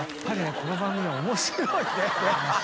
この番組ね面白いね